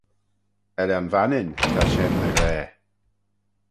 Ellan Vannin, ta shen dy ghra.